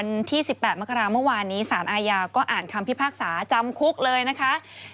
วันที่๑๘มกราเมื่อวานนี้สารอาญาก็อ่านคำพิพากษาจำคุกเลยนะคะ